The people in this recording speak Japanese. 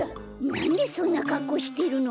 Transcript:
なんでそんなかっこうしてるの？